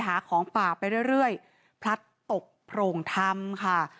หาของป่าไปเรื่อยพลัดตกโพรงธรรมค่ะ